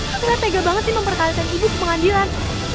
kamu enggak tega banget sih memperkalikan ibu ke pengadilan